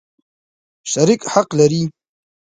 شریک حق لري.